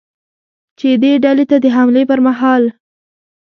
چې دې ډلې ته د حملې پرمهال ل